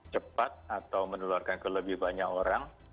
cepat atau menularkan ke lebih banyak orang